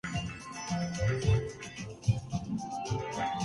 کچھ بھی نہیں۔